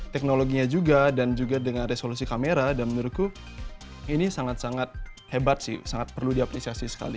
teknologinya juga dan juga dengan resolusi kamera dan menurutku ini sangat sangat hebat sih sangat perlu diapresiasi sekali